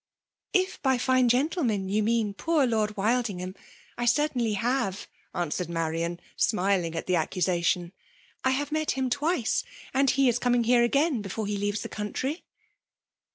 ''*' If by fine gentlemen you mean poor Lord Wildingham, I certainly haver answered Ma rion, snaling at the accusation. *' I have met him twice — and he is coming here again be* ft>re he leaves the country."